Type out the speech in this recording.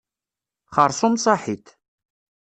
Xeṛṣum saḥit.